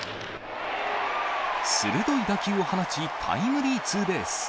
鋭い打球を放ち、タイムリーツーベース。